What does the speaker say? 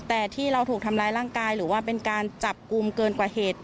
แต่ที่เราถูกทำร้ายร่างกายหรือว่าเป็นการจับกลุ่มเกินกว่าเหตุ